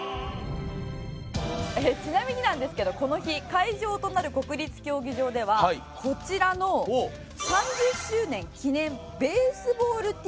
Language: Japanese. ちなみになんですけどこの日会場となる国立競技場ではこちらの３０周年記念ベースボールＴシャツ。